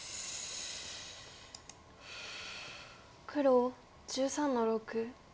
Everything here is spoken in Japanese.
黒１３の六。